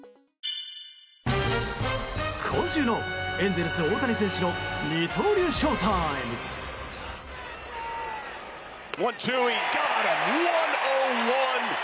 今週のエンゼルス、大谷選手の二刀流ショウタイム！